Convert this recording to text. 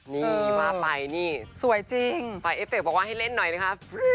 นี่ว่าไปนี่สวยจริงฝ่ายเอฟเฟคบอกว่าให้เล่นหน่อยนะครับ